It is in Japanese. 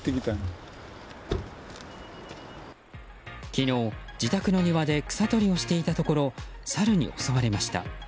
昨日、自宅の庭で草取りをしていたところサルに襲われました。